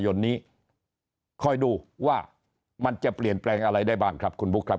ยนนี้คอยดูว่ามันจะเปลี่ยนแปลงอะไรได้บ้างครับคุณบุ๊คครับ